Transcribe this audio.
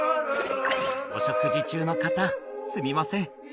お食事中の方すみません